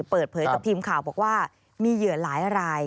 เปิดเผยกับทีมข่าวบอกว่ามีเหยื่อหลายราย